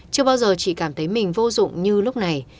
chưa bao giờ chị cảm thấy mình vô dụng như lúc này